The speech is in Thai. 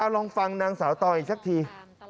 ลองฟังนางสาวต่ออีกสักที